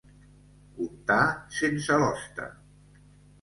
Contar sense l'hoste.